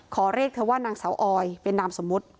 ขอเรียกเธอว่านางสาวออยเป็นนามสมมุติ